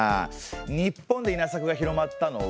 日本で稲作が広まったのは。